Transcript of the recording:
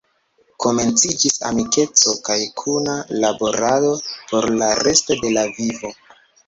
Komenciĝis amikeco kaj kuna laborado por la resto de la vivo.